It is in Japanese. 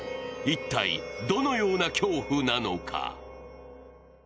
一体どのような恐怖なのか。